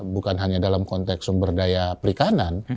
bukan hanya dalam konteks sumber daya perikanan